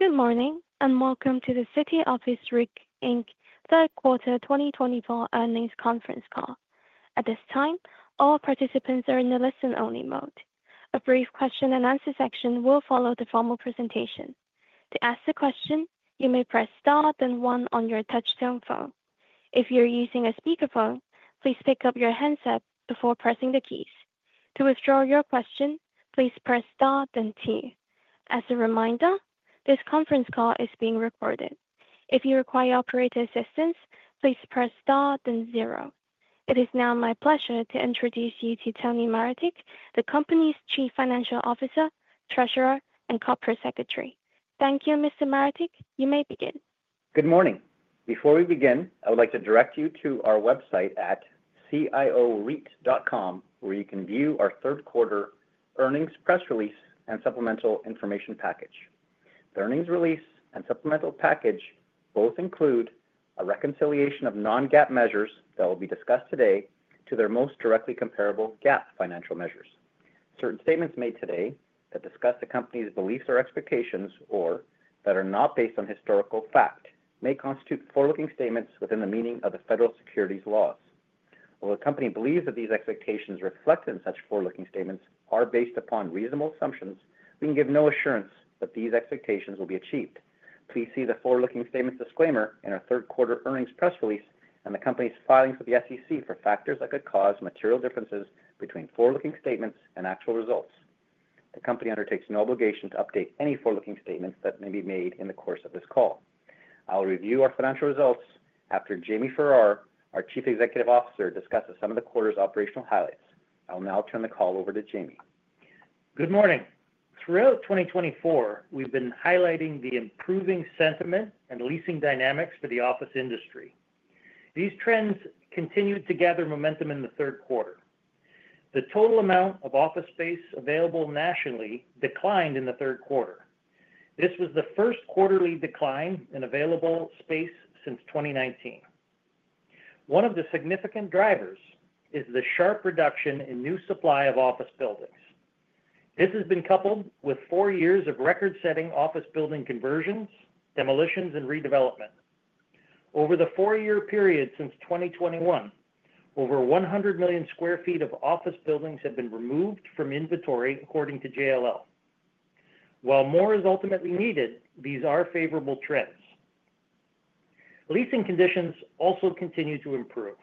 Good morning and welcome to the City Office REIT, Inc Third Quarter 2024 Earnings Conference Call. At this time, all participants are in the listen-only mode. A brief question-and-answer section will follow the formal presentation. To ask a question, you may press star then one on your touch-tone phone. If you're using a speakerphone, please pick up your handset before pressing the keys. To withdraw your question, please press star then two. As a reminder, this conference call is being recorded. If you require operator assistance, please press star then zero. It is now my pleasure to introduce you to Tony Maretic, the company's Chief Financial Officer, Treasurer, and Corporate Secretary. Thank you, Mr. Maretic. You may begin. Good morning. Before we begin, I would like to direct you to our website at cioreit.com, where you can view our Third Quarter Earnings Press Release and Supplemental Information Package. The Earnings Release and Supplemental Package both include a reconciliation of non-GAAP measures that will be discussed today to their most directly comparable GAAP financial measures. Certain statements made today that discuss the company's beliefs or expectations or that are not based on historical fact may constitute forward-looking statements within the meaning of the federal securities laws. While the company believes that these expectations reflected in such forward-looking statements are based upon reasonable assumptions, we can give no assurance that these expectations will be achieved. Please see the forward-looking statements disclaimer in our Third Quarter Earnings Press Release and the company's filings with the SEC for factors that could cause material differences between forward-looking statements and actual results. The company undertakes no obligation to update any forward-looking statements that may be made in the course of this call. I will review our financial results after Jamie Farrar, our Chief Executive Officer, discusses some of the quarter's operational highlights. I will now turn the call over to Jamie. Good morning. Throughout 2024, we've been highlighting the improving sentiment and leasing dynamics for the office industry. These trends continued to gather momentum in the third quarter. The total amount of office space available nationally declined in the third quarter. This was the first quarterly decline in available space since 2019. One of the significant drivers is the sharp reduction in new supply of office buildings. This has been coupled with four years of record-setting office building conversions, demolitions, and redevelopment. Over the four-year period since 2021, over 100 million sq ft of office buildings have been removed from inventory, according to JLL. While more is ultimately needed, these are favorable trends. Leasing conditions also continue to improve.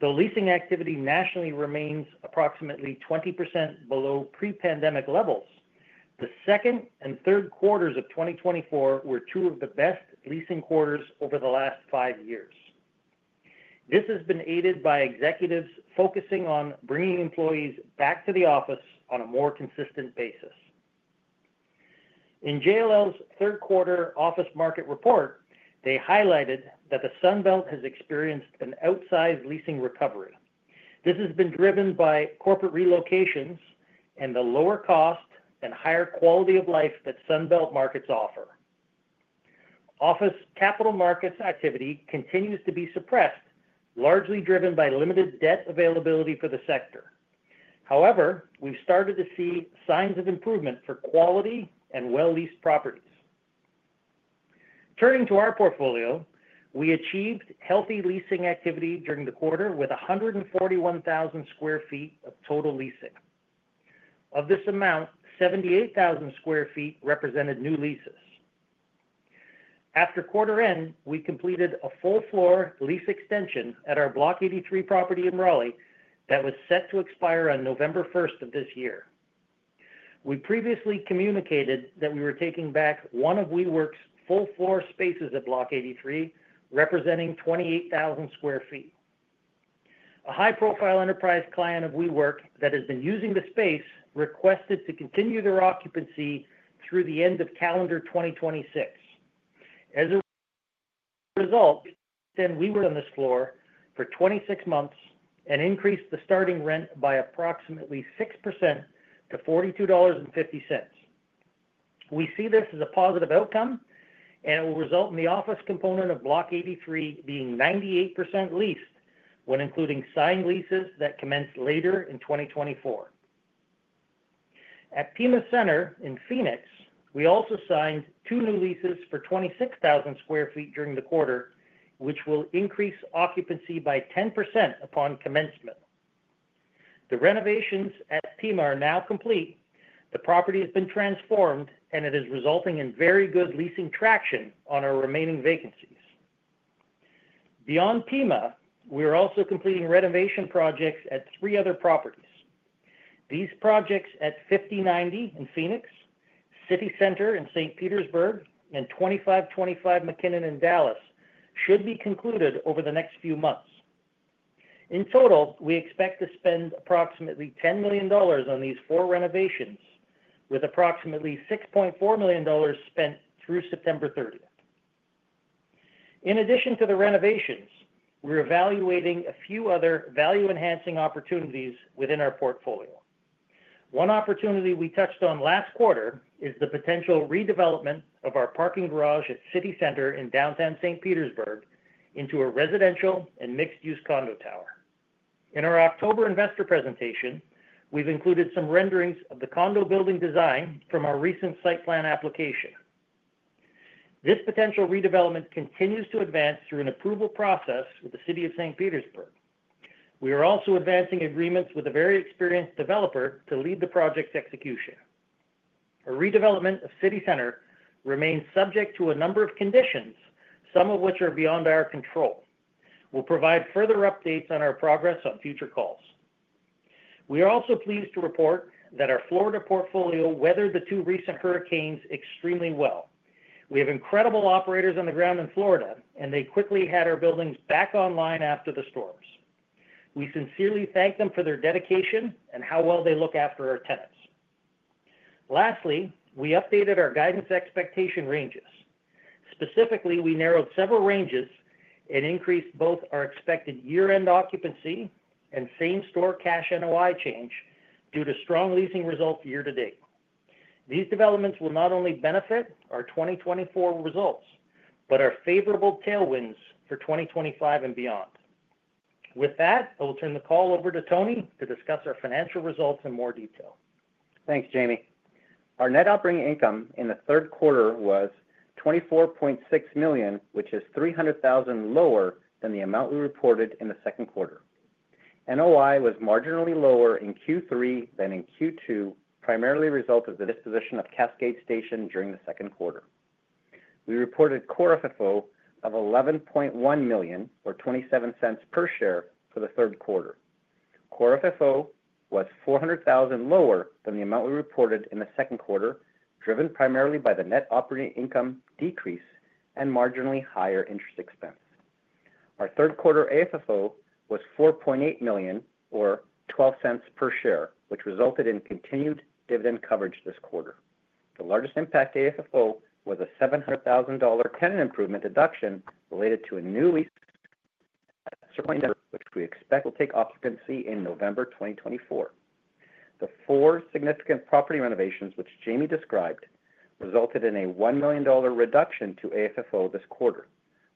Though leasing activity nationally remains approximately 20% below pre-pandemic levels, the second and third quarters of 2024 were two of the best leasing quarters over the last five years. This has been aided by executives focusing on bringing employees back to the office on a more consistent basis. In JLL's Third Quarter Office Market Report, they highlighted that the Sunbelt has experienced an outsized leasing recovery. This has been driven by corporate relocations and the lower cost and higher quality of life that Sunbelt markets offer. Office capital markets activity continues to be suppressed, largely driven by limited debt availability for the sector. However, we've started to see signs of improvement for quality and well-leased properties. Turning to our portfolio, we achieved healthy leasing activity during the quarter with 141,000 sq ft of total leasing. Of this amount, 78,000 sq ft represented new leases. After quarter end, we completed a full-floor lease extension at our Bloc 83 property in Raleigh that was set to expire on November 1st of this year. We previously communicated that we were taking back one of WeWork's full-floor spaces at Bloc 83, representing 28,000 sq ft. A high-profile enterprise client of WeWork that has been using the space requested to continue their occupancy through the end of calendar 2026. As a result, we extended WeWork on this floor for 26 months and increased the starting rent by approximately 6% to $42.50. We see this as a positive outcome, and it will result in the office component of Bloc 83 being 98% leased when including signed leases that commence later in 2024. At Pima Center in Phoenix, we also signed two new leases for 26,000 sq ft during the quarter, which will increase occupancy by 10% upon commencement. The renovations at Pima are now complete. The property has been transformed, and it is resulting in very good leasing traction on our remaining vacancies. Beyond Pima Center, we are also completing renovation projects at three other properties. These projects at 5090 in Phoenix, City Center in St. Petersburg, and 2525 McKinnon in Dallas should be concluded over the next few months. In total, we expect to spend approximately $10 million on these four renovations, with approximately $6.4 million spent through September 30th. In addition to the renovations, we're evaluating a few other value-enhancing opportunities within our portfolio. One opportunity we touched on last quarter is the potential redevelopment of our parking garage at City Center in downtown St. Petersburg into a residential and mixed-use condo tower. In our October investor presentation, we've included some renderings of the condo building design from our recent site plan application. This potential redevelopment continues to advance through an approval process with the City of St. Petersburg. We are also advancing agreements with a very experienced developer to lead the project's execution. Our redevelopment of City Center remains subject to a number of conditions, some of which are beyond our control. We'll provide further updates on our progress on future calls. We are also pleased to report that our Florida portfolio weathered the two recent hurricanes extremely well. We have incredible operators on the ground in Florida, and they quickly had our buildings back online after the storms. We sincerely thank them for their dedication and how well they look after our tenants. Lastly, we updated our guidance expectation ranges. Specifically, we narrowed several ranges and increased both our expected year-end occupancy and same-store cash NOI change due to strong leasing results year to date. These developments will not only benefit our 2024 results but are favorable tailwinds for 2025 and beyond. With that, I will turn the call over to Tony to discuss our financial results in more detail. Thanks, Jamie. Our net operating income in the third quarter was $24.6 million, which is $300,000 lower than the amount we reported in the second quarter. NOI was marginally lower in Q3 than in Q2, primarily a result of the disposition of Cascade Station during the second quarter. We reported Core FFO of $11.1 million, or $0.27 per share, for the third quarter. Core FFO was $400,000 lower than the amount we reported in the second quarter, driven primarily by the net operating income decrease and marginally higher interest expense. Our third quarter AFFO was $4.8 million, or $0.12 per share, which resulted in continued dividend coverage this quarter. The largest impact AFFO was a $700,000 tenant improvement deduction related to a new lease at The Circle, which we expect will take occupancy in November 2024. The four significant property renovations, which Jamie described, resulted in a $1 million reduction to AFFO this quarter.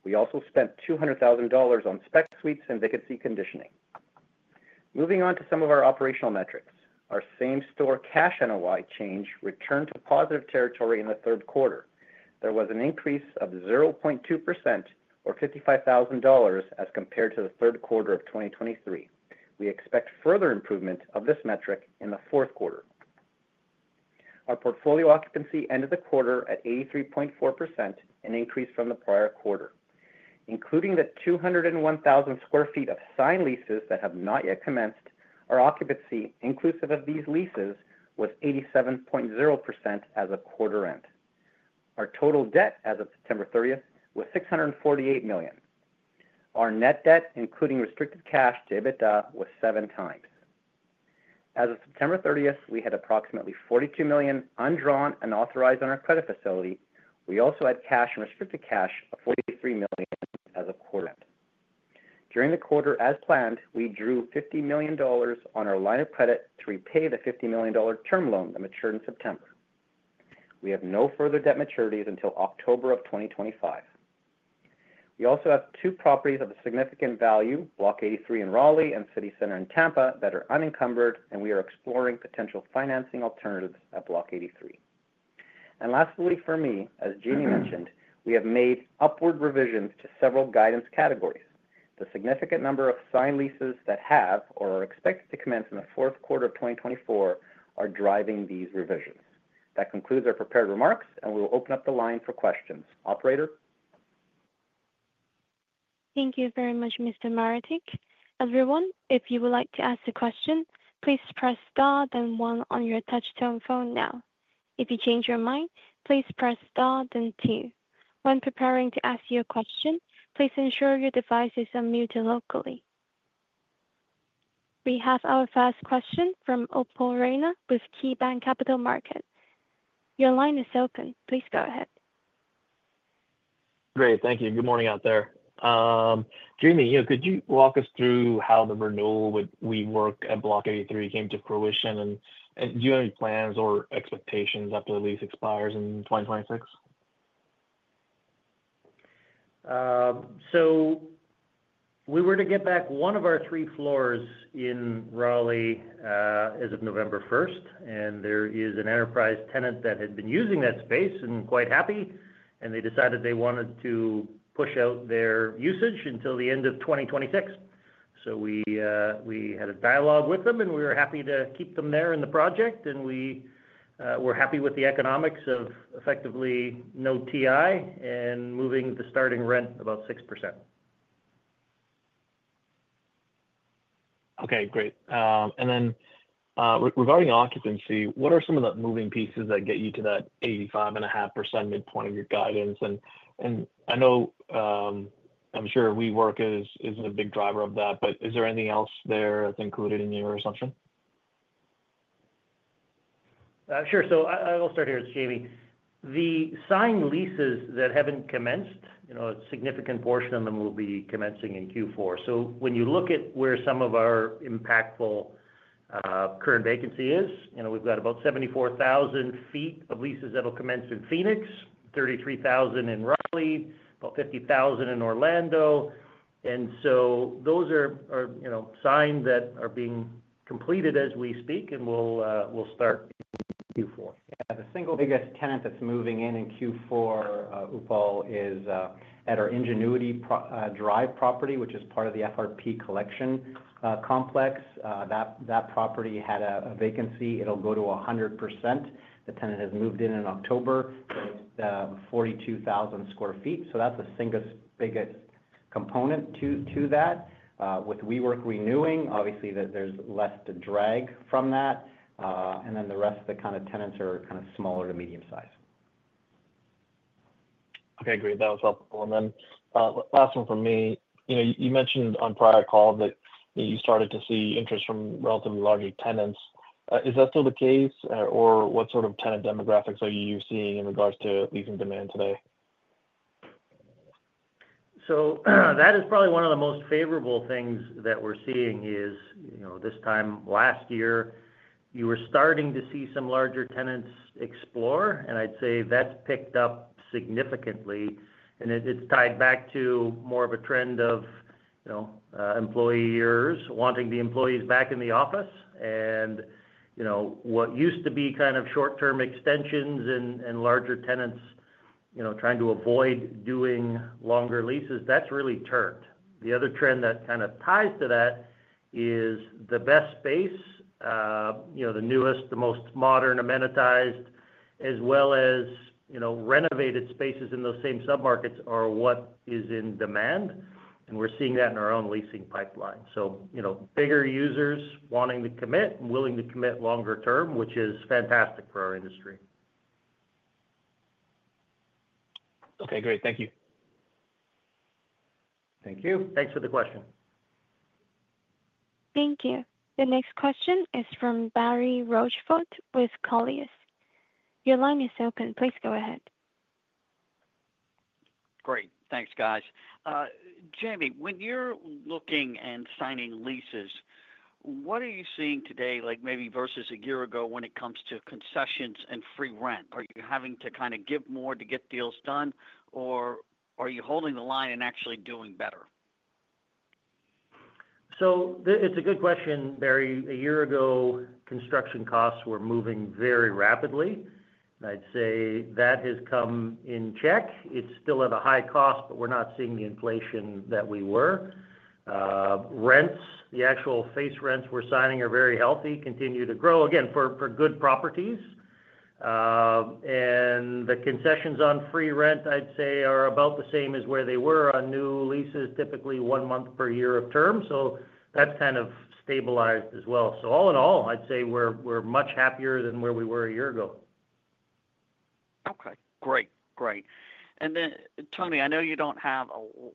We also spent $200,000 on spec suites and vacancy conditioning. Moving on to some of our operational metrics, our same-store cash NOI change returned to positive territory in the third quarter. There was an increase of 0.2%, or $55,000, as compared to the third quarter of 2023. We expect further improvement of this metric in the fourth quarter. Our portfolio occupancy ended the quarter at 83.4%, an increase from the prior quarter. Including the 201,000 sq ft of signed leases that have not yet commenced, our occupancy, inclusive of these leases, was 87.0% as of quarter end. Our total debt as of September 30th was $648 million. Our net debt, including restricted cash, to EBITDA, was seven times. As of September 30th, we had approximately $42 million undrawn and authorized on our credit facility. We also had cash and restricted cash of $43 million as of quarter end. During the quarter, as planned, we drew $50 million on our line of credit to repay the $50 million term loan that matured in September. We have no further debt maturities until October of 2025. We also have two properties of significant value, Bloc 83 in Raleigh and City Center in Tampa, that are unencumbered, and we are exploring potential financing alternatives at Bloc 83. And lastly, for me, as Jamie mentioned, we have made upward revisions to several guidance categories. The significant number of signed leases that have or are expected to commence in the fourth quarter of 2024 are driving these revisions. That concludes our prepared remarks, and we will open up the line for questions. Operator. Thank you very much, Mr. Maretic. Everyone, if you would like to ask a question, please press star then one on your touch-tone phone now. If you change your mind, please press star then two. When preparing to ask your question, please ensure your device is unmuted locally. We have our first question from Upal Rana with KeyBanc Capital Markets. Your line is open. Please go ahead. Great. Thank you. Good morning out there. Jamie, could you walk us through how the renewal with WeWork at Bloc 83 came to fruition, and do you have any plans or expectations after the lease expires in 2026? We were to get back one of our three floors in Raleigh as of November 1st, and there is an enterprise tenant that had been using that space and quite happy, and they decided they wanted to push out their usage until the end of 2026. We had a dialogue with them, and we were happy to keep them there in the project, and we were happy with the economics of effectively no TI and moving the starting rent about 6%. Okay. Great. And then regarding occupancy, what are some of the moving pieces that get you to that 85.5% midpoint of your guidance? And I'm sure WeWork is a big driver of that, but is there anything else there that's included in your assumption? Sure. I'll start here, Jamie. The signed leases that haven't commenced, a significant portion of them will be commencing in Q4. When you look at where some of our impactful current vacancy is, we've got about 74,000 sq ft of leases that will commence in Phoenix, 33,000 sq ft in Raleigh, about 50,000 sq ft in Orlando. Those are suites that are being completed as we speak, and we'll start in Q4. Yeah. The single biggest tenant that's moving in in Q4, Upal, is at our Ingenuity Drive property, which is part of the FRP Collection Complex. That property had a vacancy. It'll go to 100%. The tenant has moved in in October. It's 42,000 sq ft. So that's the biggest component to that. With WeWork renewing, obviously, there's less to drag from that. And then the rest of the kind of tenants are kind of smaller to medium size. Okay. Great. That was helpful. And then last one from me. You mentioned on prior call that you started to see interest from relatively large tenants. Is that still the case, or what sort of tenant demographics are you seeing in regards to leasing demand today? So that is probably one of the most favorable things that we're seeing is this time last year, you were starting to see some larger tenants explore, and I'd say that's picked up significantly. And it's tied back to more of a trend of employers wanting the employees back in the office. And what used to be kind of short-term extensions and larger tenants trying to avoid doing longer leases, that's really turned. The other trend that kind of ties to that is the best space, the newest, the most modern, amenitized, as well as renovated spaces in those same submarkets are what is in demand. And we're seeing that in our own leasing pipeline. So bigger users wanting to commit and willing to commit longer term, which is fantastic for our industry. Okay. Great. Thank you. Thank you. Thanks for the question. Thank you. The next question is from Barry Oxford with Colliers. Your line is open. Please go ahead. Great. Thanks, guys. Jamie, when you're looking and signing leases, what are you seeing today, maybe versus a year ago, when it comes to concessions and free rent? Are you having to kind of give more to get deals done, or are you holding the line and actually doing better? It's a good question, Barry. A year ago, construction costs were moving very rapidly. I'd say that has come in check. It's still at a high cost, but we're not seeing the inflation that we were. Rents, the actual face rents we're signing are very healthy, continue to grow, again, for good properties. The concessions on free rent, I'd say, are about the same as where they were on new leases, typically one month per year of term. That's kind of stabilized as well. All in all, I'd say we're much happier than where we were a year ago. Okay. Great. Great. And then, Tony, I know you don't have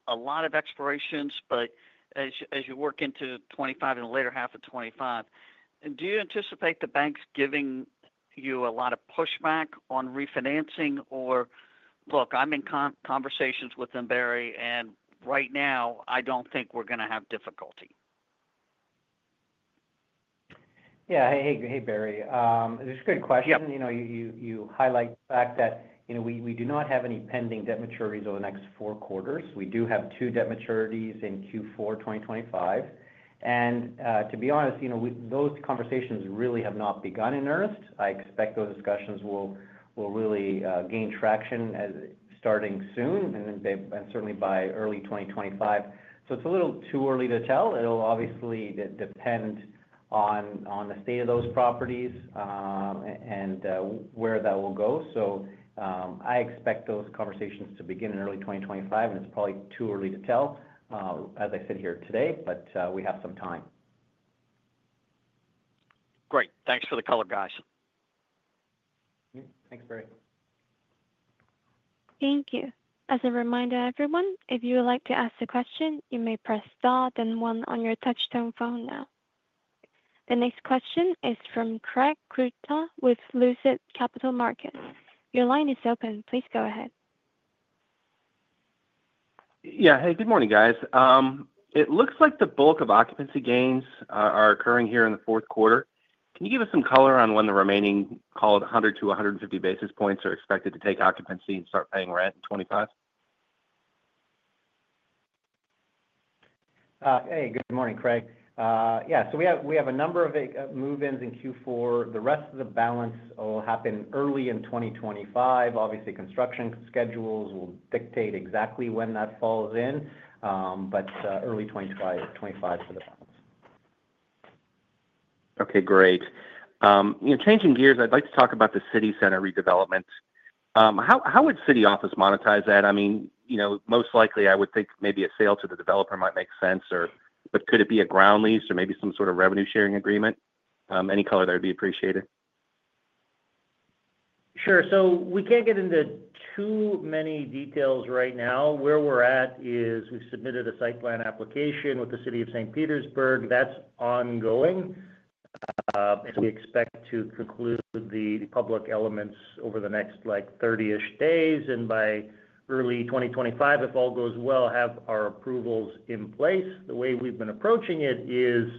a lot of expirations, but as you work into 2025 and the later half of 2025, do you anticipate the banks giving you a lot of pushback on refinancing or, "Look, I'm in conversations with them, Barry, and right now, I don't think we're going to have difficulty"? Yeah. Hey, Barry. This is a good question. You highlight the fact that we do not have any pending debt maturities over the next four quarters. We do have two debt maturities in Q4 2025. And to be honest, those conversations really have not begun in earnest. I expect those discussions will really gain traction starting soon and certainly by early 2025. So it's a little too early to tell. It'll obviously depend on the state of those properties and where that will go. So I expect those conversations to begin in early 2025, and it's probably too early to tell, as I said here today, but we have some time. Great. Thanks for the color, guys. Thanks, Barry. Thank you. As a reminder, everyone, if you would like to ask a question, you may press star then one on your touch-tone phone now. The next question is from Craig Kucera with Lucid Capital Markets. Your line is open. Please go ahead. Yeah. Hey, good morning, guys. It looks like the bulk of occupancy gains are occurring here in the fourth quarter. Can you give us some color on when the remaining 100-150 basis points are expected to take occupancy and start paying rent in 2025? Hey, good morning, Craig. Yeah. So we have a number of move-ins in Q4. The rest of the balance will happen early in 2025. Obviously, construction schedules will dictate exactly when that falls in, but early 2025 for the balance. Okay. Great. Changing gears, I'd like to talk about the City Center redevelopment. How would City Office monetize that? I mean, most likely, I would think maybe a sale to the developer might make sense, but could it be a ground lease or maybe some sort of revenue-sharing agreement? Any color that would be appreciated? Sure. So we can't get into too many details right now. Where we're at is we've submitted a site plan application with the City of St. Petersburg. That's ongoing. We expect to conclude the public elements over the next 30-ish days, and by early 2025, if all goes well, have our approvals in place. The way we've been approaching it is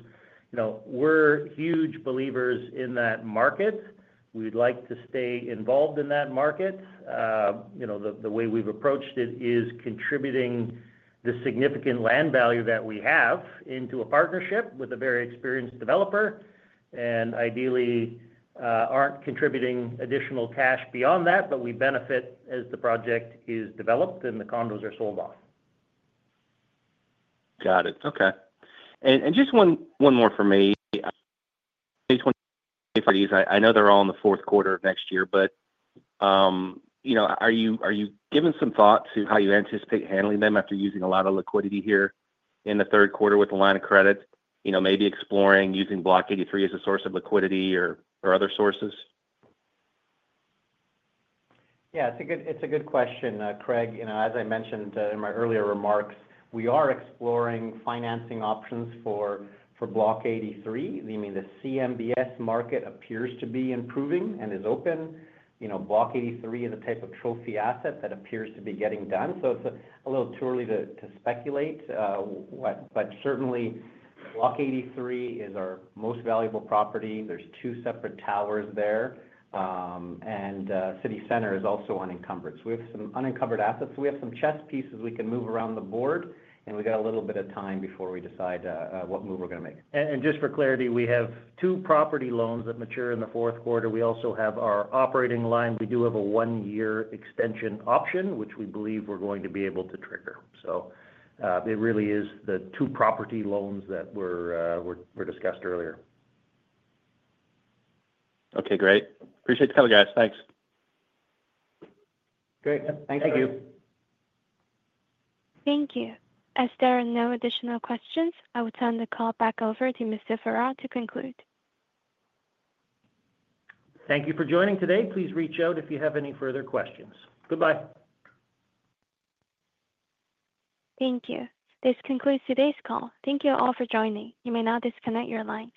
we're huge believers in that market. We'd like to stay involved in that market. The way we've approached it is contributing the significant land value that we have into a partnership with a very experienced developer, and ideally, aren't contributing additional cash beyond that, but we benefit as the project is developed and the condos are sold off. Got it. Okay. And just one more for me. I know they're all in the fourth quarter of next year, but are you giving some thought to how you anticipate handling them after using a lot of liquidity here in the third quarter with the line of credit, maybe exploring using Bloc 83 as a source of liquidity or other sources? Yeah. It's a good question, Craig. As I mentioned in my earlier remarks, we are exploring financing options for Bloc 83. The CMBS market appears to be improving and is open. Bloc 83 is a type of trophy asset that appears to be getting done. So it's a little too early to speculate, but certainly, Bloc 83 is our most valuable property. There's two separate towers there, and City Center is also unencumbered. So we have some unencumbered assets. We have some chess pieces we can move around the board, and we've got a little bit of time before we decide what move we're going to make. And just for clarity, we have two property loans that mature in the fourth quarter. We also have our operating line. We do have a one-year extension option, which we believe we're going to be able to trigger. So it really is the two property loans that were discussed earlier. Okay. Great. Appreciate the color, guys. Thanks. Great. Thank you. Thank you. Thank you. As there are no additional questions, I will turn the call back over to Mr. Farrar to conclude. Thank you for joining today. Please reach out if you have any further questions. Goodbye. Thank you. This concludes today's call. Thank you all for joining. You may now disconnect your line.